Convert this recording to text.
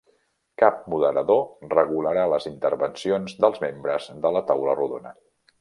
Cap moderador regularà les intervencions dels membres de la taula rodona.